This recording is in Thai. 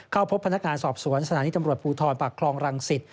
เข้าพบพนักงานสอบสวนสถานีตำรวจภูทรปากคลองรังสิต